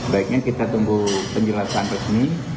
baiknya kita tunggu penjelasan resmi